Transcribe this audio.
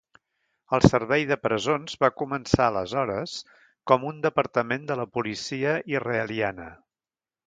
El Servei de Presons va començar aleshores com un departament de la Policia israeliana.